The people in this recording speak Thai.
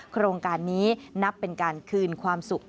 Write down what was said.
โครงการนี้นับเป็นการคืนความสุข